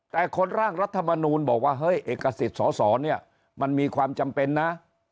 แต่คนร่างรัฐมนูลบอกว่าเฮ้ยเอกสิทธิ์สอสอเนี่ยมันมีความจำเป็นนะ